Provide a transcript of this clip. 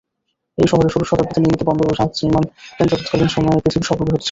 এই শহরে ষোড়শ শতাব্দীতে নির্মিত বন্দর ও জাহাজ নির্মাণ কেন্দ্র তৎকালীন সময়ে পৃথিবীর সর্ববৃহৎ ছিল।